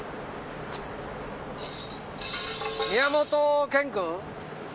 宮元健君？